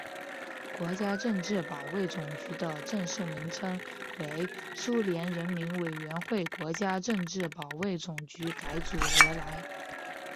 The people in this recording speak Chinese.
国家政治保卫总局的正式名称为苏联人民委员会国家政治保卫总局改组而来。